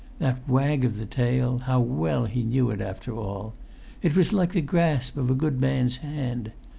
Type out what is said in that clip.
That wag of the tail, how well he knew it after all! It was like the grasp of a[Pg 192] good man's hand.